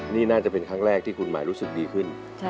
นี่น่าจะเป็นครั้งแรกที่คุณหมายรู้สึกดีขึ้น